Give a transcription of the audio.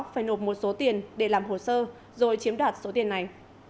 phải nộp một số tiền để làm hồ sơ rồi chiếm đoạt số tiền này